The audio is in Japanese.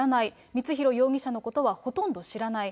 光弘容疑者のことはほとんど知らない。